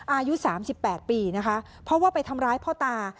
อายุ๓๘ปีนะคะเพราะว่าไปทำร้ายพ่อตา